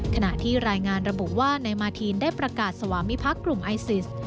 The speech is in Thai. ขณะที่รายงานระบุว่านายมาทีนได้ประกาศสวามิพักษ์กลุ่มไอซิส